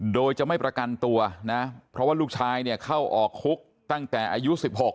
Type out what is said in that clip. โดยจะไม่ประกันตัวนะเพราะว่าลูกชายเนี่ยเข้าออกคุกตั้งแต่อายุ๑๖